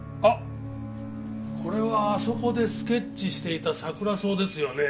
これはあそこでスケッチしていたサクラソウですよね？